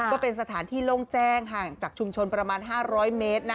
ก็เป็นสถานที่โล่งแจ้งห่างจากชุมชนประมาณ๕๐๐เมตรนะ